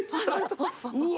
うわ！